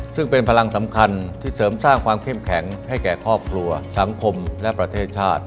ซึ่งเป็นพลังสำคัญที่เสริมสร้างความเข้มแข็งให้แก่ครอบครัวสังคมและประเทศชาติ